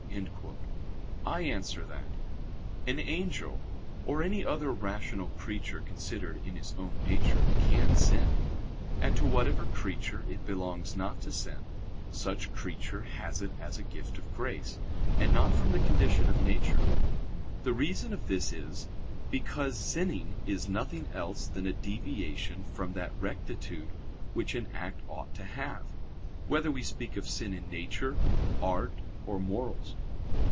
I answer that, An angel or any other rational creature considered in his own nature, can sin; and to whatever creature it belongs not to sin, such creature has it as a gift of grace, and not from the condition of nature. The reason of this is, because sinning is nothing else than a deviation from that rectitude which an act ought to have; whether we speak of sin in nature, art, or morals.